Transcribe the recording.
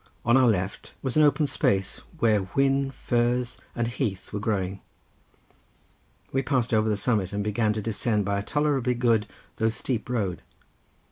On our left was an open space where whin, furze and heath were growing. We passed over the summit, and began to descend by a tolerably good, though steep road.